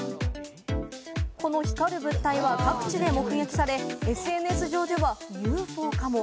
この光る物体は各地で目撃され、ＳＮＳ上ではＵＦＯかも。